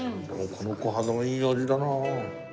このコハダもいい味だな。